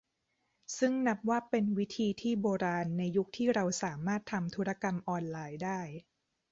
ซึ่งนับว่าเป็นวิธีที่โบราณในยุคที่เราสามารถทำธุรกรรมออนไลน์ได้